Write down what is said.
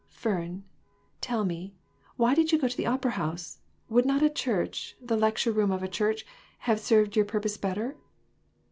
"Fern, tell me, why did you go to the opera house ? Would not a church, the lecture room of a church, have served your purpose better?"